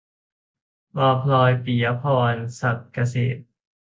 วาวพลอย - ปิยะพร ศักดิ์เกษม